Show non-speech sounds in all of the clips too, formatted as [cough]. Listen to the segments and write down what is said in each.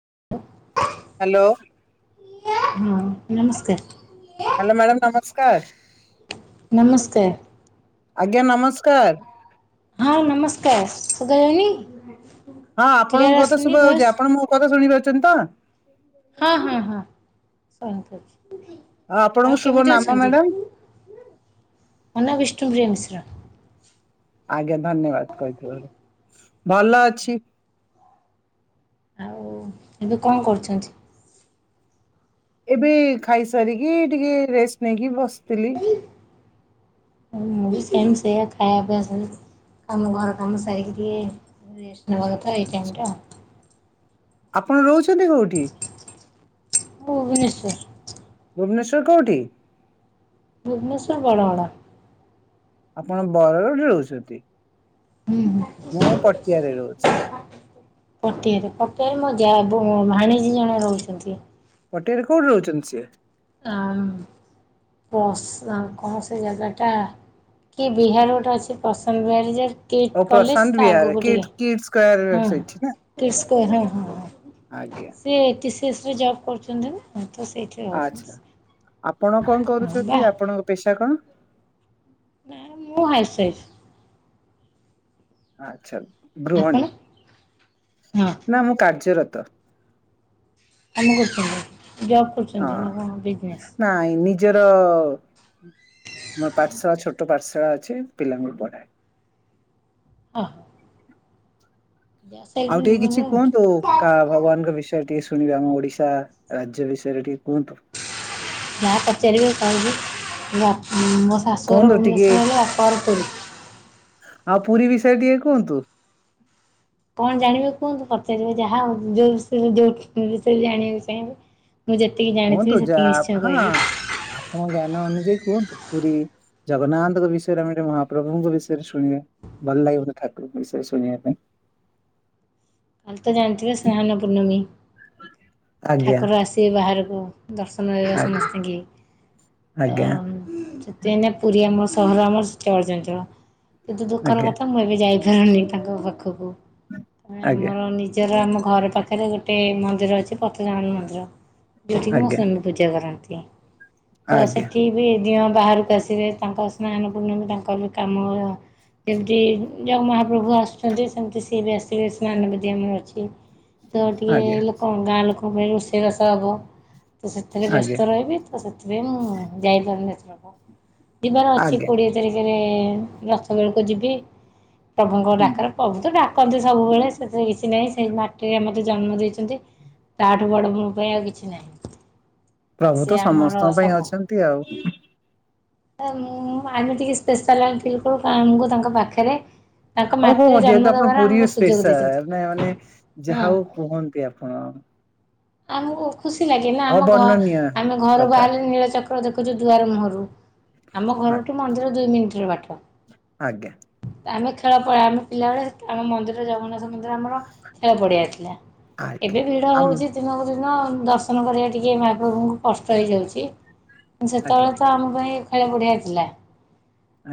[unintelligible] Hello. ହଁ ନମସ୍କାର। Hello madam ନମସ୍କାର। ନମସ୍କାର। ଆଜ୍ଞା ନମସ୍କାର। ହଁ ନମସ୍କାର ଶୁଭା ଯାଉନି? ହଁ ଆପଣଙ୍କ କଥା ଶୁଭା ଯାଉଛି ଆପଣ ମୋ କଥା ଶୁଣି ପାରୁଛନ୍ତି ତ? ହଁ ହଁ ହଁ ଶୁଣା ଯାଉଛି। ଆପଣଙ୍କୁ ଆଉ ଶୁଭ କେମିତି ନାମ ଅଛନ୍ତି ମ୍ୟାଡାମ ମୋ ନା ବିଷ୍ଣୁପ୍ରିୟା ମିଶ୍ର? [unintelligible] ଆଜ୍ଞା ଧନ୍ୟବାଦ କହିଥିବାରୁ ଭଲ ଅଛି। ଆଉ ଏବେ କଣ କରୁଛନ୍ତି? ଏବେ ଖାଇସାରିକି ଟିକେ ରେଷ୍ଟ ନେଇକି ବସିଥିଲି। ମୁଁ ବି ସେୟା ସେୟା ଖାଇବା ପିଇବା ଚାଲିଛି ସେ କାମ ଘର କାମ ସାରିକି ଟିକେ ରେଷ୍ଟ ନବା କଥା ଏଇ ଆଛା ଟାଇମଟା ଆପଣ ରହୁଛନ୍ତି କୋଉଠି? [unintelligible] ଭୁବନେଶ୍ୱର କେଉଁଠି? ଭୁବନେଶ୍ୱରର ବଡ଼ଗଡ଼। ଆପଣ ବରଗଡ଼ ରହୁଛନ୍ତି? ହୁଁ ହୁଁ। ମୁଁ ପଟିଆରେ ରହୁଛି। ପଟିଆରେ ପଟିଆରେ ମୋ ଯା ଭାଣିଜୀ ଜଣେ ରହୁଛନ୍ତି। ପଟିଆରେ କୋଉଠି ରହୁଛନ୍ତି ସିଏ? ଆ କସ କଣ ସେ ଜାଗାଟା? କି ବିହାର ଗୋଟେ ଅଛି ପସନ୍ତ ବାରଜ କିଟ ଆଉ କଲେଜ ପ୍ରଶାନ୍ତ ତା ବିହାର ଆଗକୁ କିଡ୍ ଟିକେ କିଡ୍ ସ୍କୋୟାର ହଁ ସେଇଠି ନା କିସ୍ ହ ହ ଆଜ୍ଞା ସେ କିସ ତ୍ରିଶି ଜବ୍ କରୁଛନ୍ତି ନା ତ ସେଇଥି ଆଚ୍ଛା ରହୁଛନ୍ତି ସେ ଆପଣ କଣ କରୁଛନ୍ତି ଆପଣଙ୍କ ପେସା କଣ? ନାଇଁ ମୁଁ ହାଇସୱାଇଫ ଆଛା ଗୃହଣୀ ଆପଣ ହଁ ନା ମୁଁ କାର୍ଯ୍ୟରତ। ତ। କାମକରୁଛନ୍ତି ଜବ୍ ହଁ କରୁଚନ୍ତି ନାଁ ବିଜନେସ୍? ନାଇଁ ନିଜର ମ ପାଠଶାଳା ଛୋଟ ପାଠଶାଳା ଅଛି ପିଲାଙ୍କୁ ପଢାଏ [unintelligible] ହ। ଆଉ ଟିକେ କିଛି କୁହନ୍ତୁ କା ଭଗବାନଙ୍କ ବିଷୟ ଟିକେ ଶୁ ଶୁଣିବେ ଆମ ଓଡିଶା ରାଜ୍ୟ ବିଷୟରେ ଟି ଯାହା ପଚାରିବେ କହିବି? ମୋ ଶାଶୁଘର କୁହନ୍ତୁ ଟିକେ ଭୁବନେଶ୍ୱର ହେଲେ ବାପ ଘର ପୁରୀ? ଆଉ ପୁରୀ ବିଷୟରେ ଟିକେ କୁହନ୍ତୁ? କଣ ଜାଣିବେ କୁହନ୍ତୁ ପଚାରିବେ ଯାହା ହଉ ଯୋଉ ବିଷୟରେ ଯୋଉ ବିଷୟରେ ଜାଣିବାକୁ ଚାହିଁବେ ମୁଁ ଯେତିକି ଜାଣିଥିବି କୁହନ୍ତୁ ଯା ସେତିକି ନିଶ୍ଚୟ ହଁ କହିବି ଆପଣଙ୍କ ଜ୍ଞାନ ଅନୁଯାୟୀ କୁହନ୍ତୁ। ପୁରୀ ଜଗନ୍ନାଥଙ୍କ ବିଷୟରେ ଆମେ ମହାପ୍ରଭୁଙ୍କ ବିଷୟରେ ଶୁଣିବା ଭଲ ଲାଗିବ ଠାକୁରଙ୍କ ବିଷୟରେ। ଶଣିବା ପାଇଁ। [unintelligible] କାଲି ତ ଜାଣିଥିବେ ସ୍ନାହାନ ପୂର୍ଣ୍ଣମୀ ଆଜ୍ଞା ଠାକୁର ଆସିବେ ବାହାରକୁ। ଦର୍ଶନ ମିଳିବ ଆଜ୍ଞା ସମସ୍ତଙ୍କି ତ ଆଜ୍ଞା ସେଥିପାଇଁ ପୁରୀ ଆମର ସହର ଆମର ଚଳଚଞ୍ଚଳ କିନ୍ତୁ ଦୁଃଖର ଆଜ୍ଞା କଥା ମୁଁ ଏବେ ଯାଇପାରୁନି ତାଙ୍କ ପାଖକୁ। ଆଜ୍ଞା ଆମର ନିଜର ଆମ ଘର ପାଖରେ ଗୋଟେ ମନ୍ଦିର ଅଛି ପତିତପାବନ ମନ୍ଦିର। ଯୋଉଠିକି ମୋ ଆଜ୍ଞା ସ୍ୱାମୀ ପୂଜା କରନ୍ତି ତ ଆଜ୍ଞା ସେଠି ବି ଦିଅଁ ବାହାରକୁ ଆସିବେ ତାଙ୍କ ସ୍ନାହାନ ପୂର୍ଣ୍ଣମୀ ତାଙ୍କର ବି କାମ ଯେମତି ଯୋଉ ମହାପ୍ରଭୁ ଆସୁଛନ୍ତି ସେମିତି ସିଏ ବି ଆସିବେ। ସ୍ନାନ ବେଦି ଆମର ଅଛି ତ ଟିକେ ଆଜ୍ଞା। ଲୋକ ଗାଁ ଲୋକଙ୍କ ପାଇଁ ରୋଷେଇବାସ ହବ। ତ ସେଥିରେ ବ୍ୟସ୍ତ ଆଜ୍ଞା ରହିବି ତ ସେଥିପାଇଁ ମୁଁ ଯାଇପାରୁନି ଏଥରକ। ଯିବାର ଅଛି ଆଜ୍ଞା କୋଡିଏ ତାରିଖରେ ରଥ ବେଳକୁ ଯିବି। ପ୍ରଭୁଙ୍କ ହୁଁ। ଡାକରେ ପ୍ରଭୁ ତ ଡାକନ୍ତି ସବୁବେଳେ। ସେଥିରେ କିଛି ନାହିଁ ସେଇ ମାଟିରେ ମତେ ଜନ୍ମ ଦେଇଛନ୍ତି ତାଠୁ ବଡ ମୋ ପାଇଁ ଆଉ କିଛି ନାହିଁ। ପ୍ରଭୁ ସେ ତ ଆମର ସମସ୍ତଙ୍କ ପାଇଁ ଅଛନ୍ତି ଆଉ। ଆ ମୁ ଆମେଟିକେ ସ୍ପେଶାଲାଲ ଥିଲୁ ତ ମୁଁ ଆମକୁ ତାଙ୍କ ପାଖରେ ତାଙ୍କ ଓହୋ ମାଟିରେ ଜନ୍ମ ଯେହେତୁ ଆପଣ ଦେବାର ପୁରୀ ଆମକୁ ସୁଯୋଗ ଦେଇଛନ୍ତି ସ୍ପେଶାଲ ମାନେ ହଁ ଯାହା ହଉ କୁହନ୍ତି ଆପଣ। ଆମକୁ ଖୁସି ଲାଗେ ନା ଆମ ଘ ଅବର୍ଣ୍ଣନୀୟ ଆମେ ଘରୁ କଥା ବାହାର ନୀଳ ଚକ୍ର ପୁରା ଦେଖୁଛୁ ଦୁଆର ମୁହଁରୁ। ଆମ ଆ ଘରଠୁ ମନ୍ଦିର ଦୁଇ ମିନିଟ ର ବାଟ ଆଜ୍ଞା ଆମେ ଖା ଖେଳ ଆମେ ପିଲାବେଳେ ଆମ ମନ୍ଦିର ଜଗନ୍ନାଥ ସେତେବେଳେ ଆମର ଖେଳ ପଡିଆ ଥିଲା ଏବେ ଆଜ୍ଞା ଭିଡ ଆମ ହଉଛି ଦିନକୁ ଦିନ ଦର୍ଶନ କରିବା ଟିକେ ମାଆ ବାପୁଙ୍କୁ କଷ୍ଟ ହେଇଯାଉଛି ଆଜ୍ଞା ସେତେବେଳେ ତ ଆମ ପାଇଁ ବଢିଆ ଥିଲା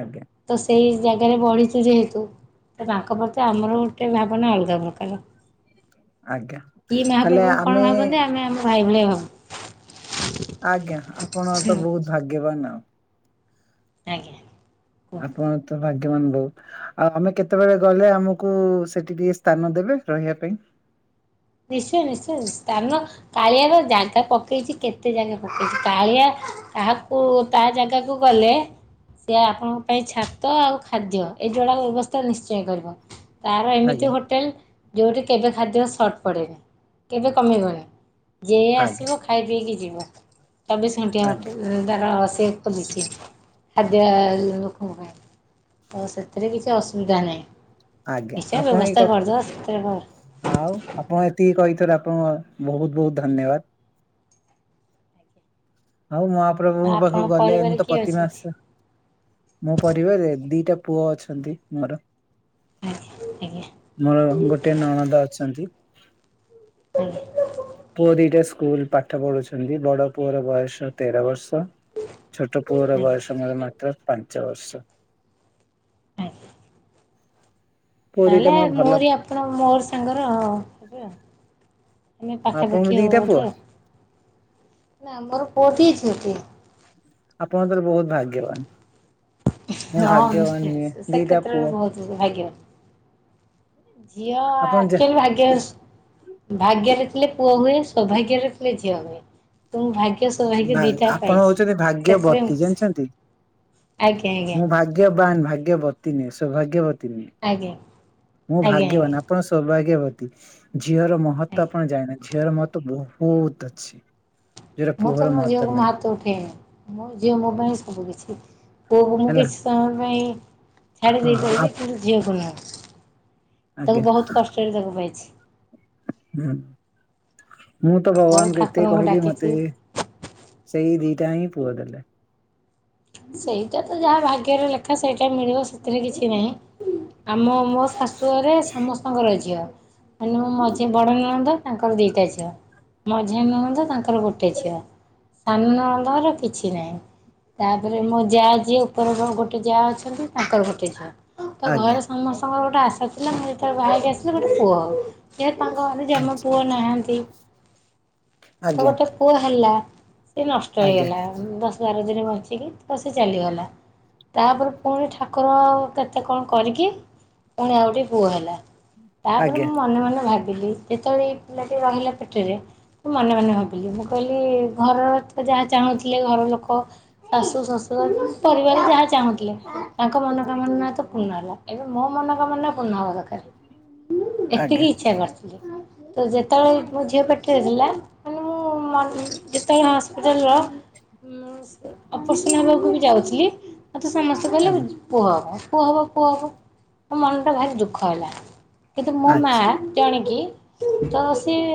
ଆଜ୍ଞା ତ ସେଇ ଜାଗାରେ ବଢ଼ିଛି ଯେହେତୁ ତ ତାଙ୍କ ପ୍ରତି ଆମର ଗୋଟେ ଭାବନା ଅଲଗା ପ୍ରକାର। ଆଜ୍ଞା କି ତାହେଲେ ମହାପ୍ରଭୁଙ୍କୁ ଆପ କଣ ଭାବନ୍ତି ଆମେ ଆମ ଭାଇ ଭଳିଆ ଭାବୁ। ଆଜ୍ଞା ଆପଣ ତ ବହୁତ ଭାଗ୍ୟବାନ ଆଉ। ଆଜ୍ଞା। କୁହ ଆପଣ ତ ଭା ଭାଗ୍ୟବାନ୍ ଲୋକ ଆମେ କେତେବେଳେ ଗଲେ ଆମକୁ ସେଠି ଟିକେ ସ୍ଥାନ ଦେବେ ରହିବା ପାଇଁ। ନିଶ୍ଚୟ ନିଶ୍ଚୟ ସ୍ଥାନ କାଳିଆର ଜାଗା ପକେଇଛି କେତେ ଜାଗା ପକେଇଛି କାଳିଆ କାହାକୁ ତା ଜାଗାକୁ ଗଲେ ସେ ଆପଣଙ୍କ ପାଇଁ ଛାତ ଆଉ ଖାଦ୍ୟ ଏଇ ଯୋଡାକ ବ୍ୟବସ୍ଥା ନିଶ୍ଚୟ କରିବ। ତାର ଏମିତି ଆଜ୍ଞା ହୋଟେଲ ଯେଉଁଠି କେବେ ଖାଦ୍ୟ ସର୍ଟ ପଡ଼େନି କେବେ କମିବନି। ଯିଏ ଆଜ୍ଞା ଆସିବ ଖାଇ ପିଇକି ଯିବ ଚବିଶ ଘଣ୍ଟିଆ ଆଜ୍ଞା ହୋଟେଲ ତାର। ସେ ଖୋଲିଥିବ ଖାଦ୍ୟ ଲୋକଙ୍କ ପାଇଁ। ହଉ ସେଥିରେ କିଛି ଅସୁବିଧା ନାହିଁ। ଆଜ୍ଞା ନିଶ୍ଚୟ ଆପଣ ଏଇ ବ୍ୟବସ୍ଥା କ କରିଦେବା ସେଥିରେ କଣ ଆଉ ଆପଣ ତି କହିଥିବାରୁ ଆପଣଙ୍କୁ ବହୁତ ବହୁତ ଧନ୍ୟବାଦ। ଆଉ ଆଉ ମହାପ୍ରଭୁଙ୍କ ପାଖକୁ ଆପଣଙ୍କ ଗଲେ ମୁ ପରିବାରରେ ତ କିଏ ଅଛନ୍ତି? ପ୍ରତିମାସ ମୋ ପରିବାର ଦିଟା ପୁଅ ଅଛନ୍ତି ମୋର। ଆଜ୍ଞା ଆଜ୍ଞା ମୋର ଗୋଟେ ନଣଦ ଅଛନ୍ତି। ଆଜ୍ଞା। ପୁଅ ଦିଟା ସ୍କୁଲ ପାଠ ପଢୁଛନ୍ତି ବଡ ପୁଅର ବୟସ ତେର ବର୍ଷ। କଣ ଛୋଟ ପୁଅର ବୟସ ମୋର ମାତ୍ର ପାଞ୍ଚ ବର୍ଷ। ଆଜ୍ଞା। ପୁଅ ଦିଟା ତାହେଲେ ମୋର ଭଲ ମୋରି ଆପଣ ମୋରି ସାଙ୍ଗର ହେବେ ଆଉ। ଆମେ ଆପଣଙ୍କୁ ପାଖାପାଖି ଦିଟା ରହୁଚୁ ପୁଅ ଆଉ ନା ଆମର ପୁଅଟିଏ ଝିଅଟିଏ। ଆପଣଙ୍କର ବହୁତ ଭାଗ୍ୟବାନ। ମୁ ହଁ ଭାଗ୍ୟବାନ ନିଶ୍ଚୟ ନୁହେଁ ସେ ଦିଟା କ୍ଷେତ୍ରରେ ପୁଅ। ବହୁତ ଭାଗ୍ୟବାନ। ଝିଅ ଆପଣ ଯା ଏକ୍ଟୁଆଲୀ ଭାଗ୍ୟ ଭାଗ୍ୟରେ ପୁଅ ହୁଏ ସୌଭାଗ୍ୟ ଥିଲେ ଝିଅ ହୁଏ ତ ଭାଗ୍ୟ ସୌଭାଗ୍ୟ ବା ଦିଟା ଆପଣ ପାଇଛି ହଉଛନ୍ତି ସେଥିପାଇଁ ମୁଁ ଭାଗ୍ୟବତୀ ଖୁସି। ଜାଣିିଛନ୍ତି। ଆଜ୍ଞା ଆଜ୍ଞା ମୁଁ ଭାଗ୍ୟବାନ ଭାଗ୍ୟବତୀ ନ ସୌଭାଗ୍ୟବ ଆଜ୍ଞା। ମୁଁ ଆଜ୍ଞା ଭାଗ୍ୟବାନ ଆଜ୍ଞା ଆପଣ ସୌଭାଗ୍ୟବ ଝିଅର ମହତ୍ତ୍ଵ ଆଜ୍ଞା। ଆପଣ ଜାଣେ ଝିଅର ମହତ୍ତ୍ବ ବହୁତ ଅଛି। ଯୋଉଟା ମୁଁ ପୁଅର ତ ମୋ ମହତ୍ଵ ଝିଅକୁ ମୋ ନାହିଁ ହାତ ଉଠେଇନି ମୋ ଝିଅ ମୋ ପାଇଁ ସବୁ କିଛି। ପୁଅକୁ ମୁଁ ହେଲା କିଛି ସମୟ ପାଇଁ ଛାଡ଼ି ହଁ ଦେଇ ଆ ପାରିବି କିନ୍ତୁ ଝିଅକୁ ନାହଁ। ତାକୁ ଆଜ୍ଞା ବହୁତ କଷ୍ଟରେ ତାକୁ ପାଇଛି। ହୁଁ। ମୁଁ ତ ବହୁ ଭଗବାନଙ୍କୁ ଏତେ ଠାକୁରଙ୍କୁ କହିଲି ଡାକିଛି ମତେ ସେଇ ଦିଟା ହିଁ ପୁଅ ଦେଲେ। ସେଇଟା ତ ଯାହା ଭାଗ୍ୟରେ ଲେଖା ସେଇଟା ମିଳିବ ସେଥିରେ କିଛି ନାହିଁ ଆମ ମୋ ଶାଶୁହରେ ସମସ୍ତଙ୍କର ଝିଅ ମୋ ମଝି ବଡ଼ ନଣନ୍ଦ ତାଙ୍କର ଦିଇଟା ଝିଅ। ମଝିଆ ନଣନ୍ଦ ତାଙ୍କର ଗୋଟେ ଝିଅ ସାନ ନନ୍ଦର କିଛି ନାହିଁ। ତାପରେ ମୋ ଯାଆ ଯିଏ ଉପର ଗୋଟେ ଯାଆ ଅଛନ୍ତି ତାଙ୍କର ଗୋଟେ ଝିଅ। ତ ଆଜ୍ଞା। ଘରେ ସମସ୍ତଙ୍କର ଗୋଟେ ଆଶା ଥିଲା ମୁଁ ଯେତେବେଳେ ବା ହେକି ଆସିଲି ଗୋଟେ ପୁଅ ହଉ। ତାଙ୍କ ଘରେ ଜମା ଆଚ୍ଛା ପୁଅ ନାହାନ୍ତି। ତ ଆଜ୍ଞା ଗୋଟେ ପୁଅ ହେଲା। ସେ ନଷ୍ଟ ହେଇଗଲା ଦଶ ବାର ଦିନ ବଞ୍ଚିକି ତା ସେ ଚାଲିଗଲା। ତାପରେ ପୁଣି ଠାକୁର ଆଉ କେତେ କଣ କରିକି ପୁଣି ଆଉ ଗୋଟେ ପୁଅ ହେଲା। ତାପରେ ଆଜ୍ଞା ମୁଁ ମନେ ମନେ ଭାରି ଭାବିଲି ଯେତେବେଳେ ପିଲାଟି ରହିଲେ ପେଟରେ ମୁଁ ମନେ ମନେ ଭାବିଲି ମୁଁ କହିଲି ଘରର ତ ଯାହା ଚାହୁଁଥିଲେ ଘର ଲୋକ ଶାଶୁ ଶ୍ୱଶୁର ପରିବାର ଯାହା ଚାହୁଁଥିଲେ ତାଙ୍କ ମନ ମନ ତ ପୂର୍ଣ୍ଣ ହେଲା ଏବେ ମୋ ମନ କାମନା ପୂର୍ଣ୍ଣ ହେବ। ଏତିକି ଆଜ୍ଞା ଇଚ୍ଛା କରିଥିଲି। ତ ଯେତେବେଳେ ମୋ ଝିଅ ପେଟରେ ଥିଲା ମୁଁ ମୁଁ ଯେତେବେଳେ ହସ୍ପିଟାଲର ଉ ଅପରେସନ୍ ହେବାକୁ ବି ଯାଉଥିଲି ମୋତେ ସମସ୍ତେ କହିଲେ ଆଜ୍ଞା ପୁଅ ହେବ। ପୁଅ ହେବ ପୁଅ ହେବ ମୋ ମନଟା ଭାରି ଦୁଃଖ ହେଲା କିନ୍ତୁ ମୋ ଆଜ୍ଞା ମା ଆଚ୍ଛା। ଜାଣିକି ହଁ ତ ସିଏ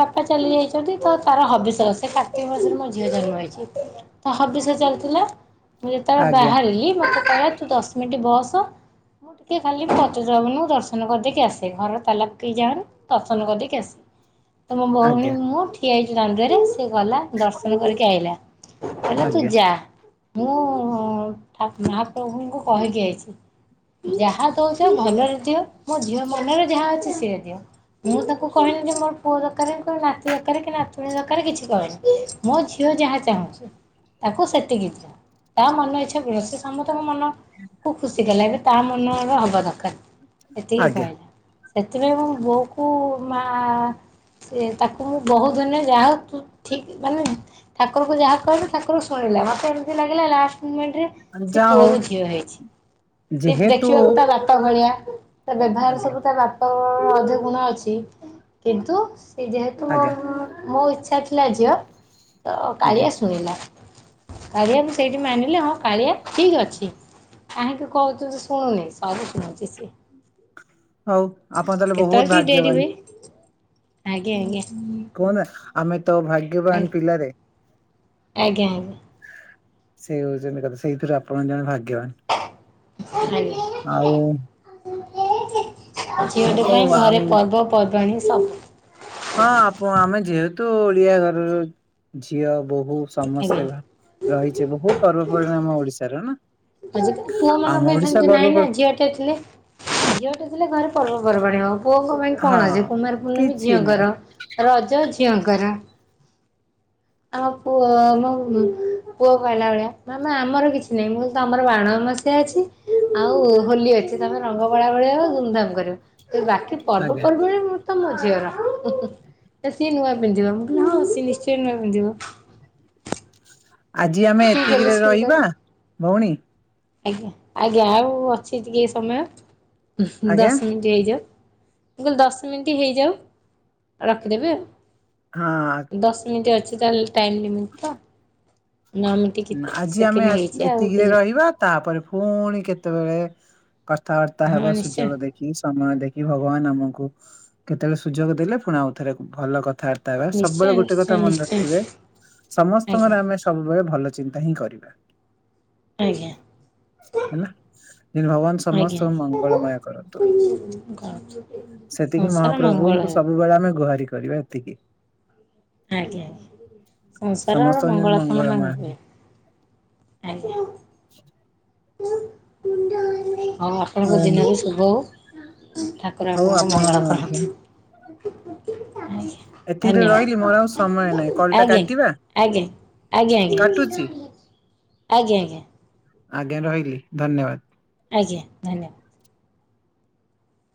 ବାପା ଚାଲି ଯାଇଛନ୍ତି ତ ତାର ହବିଷ ତ ସେ କାର୍ତ୍ତିକ ମାସରେ ମୋ ଝିଅ ଜନ୍ମ ହେଇଛି। ତା ହବିଷ୍ୟ ଚାଲିଥିଲା ମୁଁ ଯେତେବେଳେ ଆଜ୍ଞା ବାହାରିଲି ମୋତେ କହିଲ ତୁ ଦଶ ମିନିଟ୍ ବସ ହଁ ମୁଁ ଟିକିଏ ଖାଲି ପାଞ୍ଚ ଯୌବନ ଦର୍ଶନ କରିଦେଇକି ଆସେ ଘର ତାଲା ପକେଇ ଦେଇକି ଯାଆନି ଦର୍ଶନ କରିଦକି ଆସେ। ତ ମୋ ଭଉଣୀ ଆଜ୍ଞା ମୁଁ ଠିଆ ହେଇଛିି ଦାଣ୍ଡରେ ସିଏ ଗଲା ଦର୍ଶନ କରିକି ଆଇଲା। ହେଲା ତୁ ଆଜ୍ଞା ଯା ମୁଁ ଠା ମହାପ୍ରଭୁଙ୍କୁ କହିକି ଆଇଛି ଯାହା ଦଉଛ ଭଲରେ ଦିଅ। ମୋ ଝିଅ ମନରେ ଯାହା ଅଛି ଦିଅ ମୁଁ ତାକୁ କହିହନି ଯେ ମୋର ପୁଅ ଦରକାର ତୋ ନାତି ଦରକାର କି ନାତୁଣୀ ଦରକାର କିଛି କହିନି ମୋ ଝିଅ ଯାହା ଚାହୁଁଛି ତାକୁ ସେତିକି ଦିଅ ତା ମନ ଇଚ୍ଛା ଦିଅ ସେ ସମସ୍ତଙ୍କ ମନକୁ ଖୁସି କଲା ଏବେ। ତା ମନରେ ହେବା ଦରକାର ଏତିକି ଆଜ୍ଞା କହିଲେ। ସେଥିପାଇଁ ମୁଁ ବୋଉକୁ ମା ସେ ତାକୁ ମୁଁ ବହୁତ ଦିନି ଯାହା ହୁ ଠିକ ମାନେ ଠାକୁରଙ୍କୁ ଯାହା କହେ ଠାକୁର ଶୁଣିଲା ମୋତେ ଏମିତି ଲାଗିଲା ଲାଷ୍ଟ ରେ ସେ ଯାହା ପୁଅ ହଉ ର ଝିଅ ହେଇଛି ସେ ଯେହେତୁ ଦେଖିବାକୁ ତା ବାପା ଭଳିଆ ତା ବ୍ୟବହାର ଆଜ୍ଞା ସବୁ ତା ବାପା ଅଧିକ ଗୁଣ ଅଛି କିନ୍ତୁ ସେ ଯେହେତୁ ମୋ ଆଜ୍ଞା ମୋ ଇଚ୍ଛା ଥିଲା ଝିଅ ତ ଆଜ୍ଞା କାଳିଆ ଶୁଣିଲା। କାଳିଆ ମୁଁ ସେଇଠି ମାନିଲି ହଁ କାଳିଆ ଠିକ ଅଛି। କାହାକୁ କହୁଚୁ ତୁ ଶୁଣୁନି ସବୁ ଶୁଣୁଛି ସେ ହଉ ଆପଣ ତାହେଲେ ବହୁତ ହୁଏ ଭାଗ୍ୟବାନ। ଆଜ୍ଞା ଆଜ୍ଞା। ଆଜ୍ଞା। କୁହନ ଆମେ ତ ଭାଗ୍ୟବାନ ପିଲାରେ। ଆଜ୍ଞା ଆଜ୍ଞା। ସେ ହଉଛନ୍ତି କଥା ସେଇଥିରୁ ଆପଣ ଜଣେ ଭାଗ୍ୟବାନ। ଆଜ୍ଞା। ଆଉ ଝିଅଟି ଆଉ ପାଇଁ ଆଉ ଘରେ ପର୍ବପର୍ବାଣି ସବୁ ତୁ ଓଡିଆ ଘରର ଝିଅ ବୋହୂ ଆଜ୍ଞା। ସମସ୍ତେବା। ରହିଛି ବହୁତ ପର୍ବପର୍ବାଣି ଆମ ଓଡିଶାର ନା। ଆଜିକାଲି ପୁଅ ମାନଙ୍କ ଆମ ପାଇଁ ଓଡିଶା ସେମିତି ନାଇଁ ନା ପର୍ବ ଝିଅ ଟେ ଥିଲେ ଝିଅଟେ ଥିଲେ ଘରେ ପର୍ବପର୍ବାଣି ହବ ପୁଅଙ୍କ ପାଇଁ ହଁ କଣ ଅଛି କୁମାର ପୂର୍ଣ୍ଣମୀ କିଛି ନାହିଁ ଝିଅଙ୍କର ରଜ ଝିଅଙ୍କ ଙ୍କର। ଆମ ପୁଅ ମୋ ପୁଅ କହିଲା ଭଳିଆ ମାମା ଆମର କିଛି ନାହିଁ ମୁଁ ତମର ବାଣମସି୍ୟା ଅଛି ଆଉ ହୋଲି ଅଛି ତମେ ରଙ୍ଗ ବୋଳା ବଳି ହବ୍ ଧୁମଧାମ କରିବ ଏ ବାକି ଆଜ୍ଞା ପର୍ବପର୍ବରେ ମୁଁ ତ ମୋ ଝିଅ ର ସିଏ ନୂଆ ପିନ୍ଧିବ ହଁ ସିଏ ନିଶ୍ଚୟ ନୂଆ ପିନ୍ଧିବ। [inaudible] ଆଜି ଆମେ ଟିକେ ଏତିକିରେ ଜେଲସ୍ ଫିଲ୍ କରେ ରହିବା ଭଉଣୀ। ଆଜ୍ଞା ଆଜ୍ଞା ଆଉ ଅଛି ଟିକେ ସମୟ ଆଜ୍ଞା ଦଶ ମିନିଟ ହେଇଯାଉ। ମୁ କହିଲି ଦଶ ମିନିଟ୍ ହେଇଯାଉ ରଖିଦେବି ଆଉ। ହଁ ଦଶ ମିନିଟ୍ ଅଛି ତାହେଲେ ଟାଇମ୍ ଲିମିଟ ତ। ନଅ ମିନିଟ୍ କି ଆଜି ଆମେ ସେକେଣ୍ଡ ହେଇଛି ଆଉ ଏତିକିରେ କିଛି ରହିବା ତାପରେ ପୁଣି କେତେବେଳେ କଥାବାର୍ତ୍ତା ହଁ ହେବା ନିଶ୍ଚୟ ସୁଯୋଗ ଦେଖି ସମୟ ଦେଖ ଏ ଭଗବାନ ଆମକୁ କେତେବେଳେ ସୁଯୋଗ ଦେଲେ ପୁଣି ଆଉ ଥରେ ଭଲ କଥା ନିଶ୍ଚୟ ସବୁବେଳେ ଗୋଟେ ନିଶ୍ଚୟ କଥା ମନେ ନିଶ୍ଚୟ ରଖିବେ ସମସ୍ତଙ୍କର ଆଜ୍ଞା ଆମେ ସବୁବେଳେ ଭଲଚିନ୍ତା ଚିନ୍ତା ହିଁ କରିବା। ଆଜ୍ଞା। ହେଲା ଭଗବାନ ଆଜ୍ଞା ସମସ୍ତଙ୍କୁ ମଙ୍ଗଳମୟ କରନ୍ତୁ। କରୁଛି ସେତିକି ସଂସାର ମଙ୍ଗଳ ମହାପ୍ରଭୁଙ୍କୁ ହେଉ ସବୁବେଳେ ଆମେ ଗୁହାରି କରିବା ଏତିକି। ଆଜ୍ଞା ସଂସାରର ସମସ୍ତଙ୍କ ଯେମିତି ମଙ୍ଗଳକାମନା ମଙ୍ଗଳମୟ କୁହେ। ଆଜ୍ଞା। ହଁ ଆପଣଙ୍କ ହଉ ଦିନ ବି ଶୁଭ ହଉ। ହଉ ଠାକୁରପଙ୍କୁ ଆପଣଙ୍କ ମଙ୍ଗଳ ମଧ୍ୟ କରନ୍ତୁ। ଆଜ୍ଞା ଏତିକିରେ ରହିଲି ମୋର ଆଉ ସମୟ ନାହିଁ କଲ ଧନ୍ୟବାଦ ଆଜ୍ଞା ଟା ଆଜ୍ଞା! କାଟିବା ଆଜ୍ଞା ଆଜ୍ଞା କାଟୁଛି ଆଜ୍ଞା ଆଜ୍ଞା। ଆଜ୍ଞା ରହିଲି ଧନ୍ୟବାଦ। ଆଜ୍ଞା ଧନ୍ୟବାଦ